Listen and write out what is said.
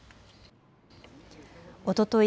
おととい